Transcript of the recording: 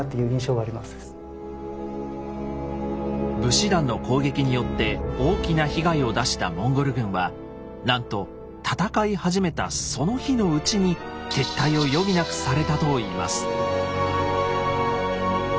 武士団の攻撃によって大きな被害を出したモンゴル軍はなんと戦い始めたその日のうちに撤退を余儀なくされたといいます。